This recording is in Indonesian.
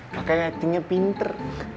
pakai actingnya pinter